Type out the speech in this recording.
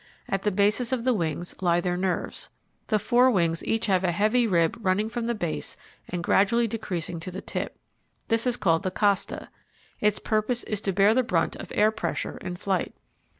At the bases of the wings lie their nerves. The fore wings each have a heavy rib running from the base and gradually decreasing to the tip. This is called the costa. Its purpose is to bear the brunt of air pressure in flight.